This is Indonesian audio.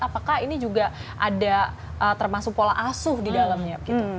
apakah ini juga ada termasuk pola asuh di dalamnya